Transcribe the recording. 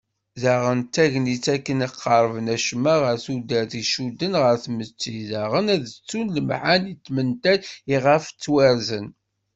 Daɣen d tagnit akken ad qerben acemma ɣer tudert icudden ɣer tmetti daɣen ad ttun lemḥan d tmental iɣef ttwarzen.